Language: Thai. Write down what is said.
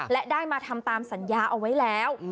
และได้มาทำตามสัญญาเอาไว้แล้ว